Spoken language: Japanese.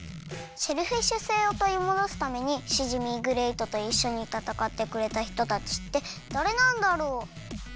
シェルフィッシュ星をとりもどすためにシジミーグレイトといっしょにたたかってくれたひとたちってだれなんだろう？